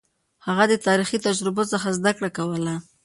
هغه د تاريخي تجربو څخه زده کړه کوله.